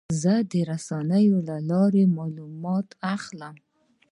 زه د رسنیو له لارې معلومات اخلم.